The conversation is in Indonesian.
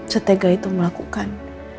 setegah itu melakukan